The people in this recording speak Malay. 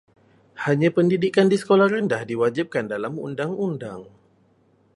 Hanya pendidikan di sekolah rendah diwajibkan dalam undang-undang.